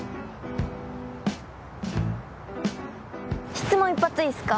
質問１発いいっすか？